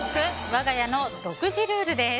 わが家の独自ルールです。